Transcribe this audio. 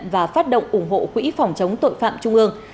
và phát động ủng hộ quỹ phòng chống tội phạm trung ương